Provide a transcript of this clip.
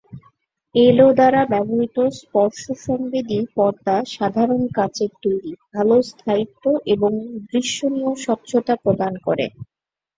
এলো দ্বারা ব্যবহৃত স্পর্শসংবেদী পর্দা সাধারণ কাচের তৈরি, ভাল স্থায়িত্ব এবং দৃশ্যনীয় স্বচ্ছতা প্রদান করে।